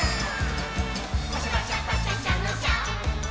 「パシャパシャパシャシャのシャッ！」